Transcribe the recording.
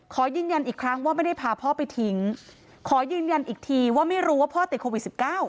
ขอยืนยันอีกครั้งว่าไม่ได้พาพ่อไปทิ้งขอยืนยันอีกทีว่าไม่รู้ว่าพ่อติดโควิด๑๙